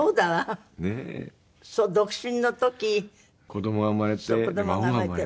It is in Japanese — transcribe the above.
子どもが生まれて孫が生まれて。